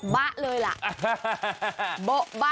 บ๊ะเลยล่ะ